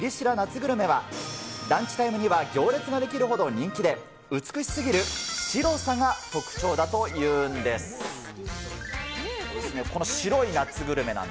グルメは、ランチタイムには行列が出来るほど人気で、美しすぎる白さが特徴だというんです。